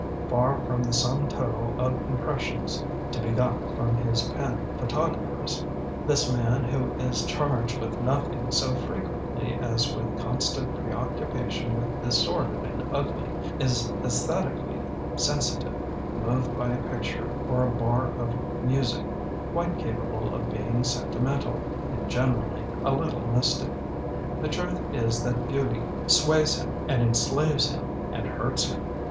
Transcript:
Far from the sum total of impressions to be got from his pen photographers, this man who is charged with nothing so frequently as with constant preoccupation with the sordid and ugly, is aesthetically sensi tive, moved by a picture or a bar of music, quite capable of being senti mental and generally a little mystic. The truth is that beauty sways him and enslaves him and hurts him.